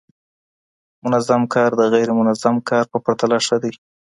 منظم کار د غیر منظم کار په پرتله ښه دی.